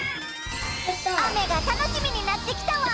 あめがたのしみになってきたわ！